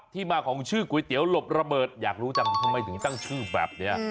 มาของชื่อก๋วยเตี๋ยวหลบระเบิดอยากรู้จังทำไมถึงตั้งชื่อแบบนี้